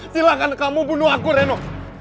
silahkan kamu bunuh aku renov